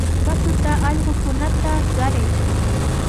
Katuta allqukunata qaray.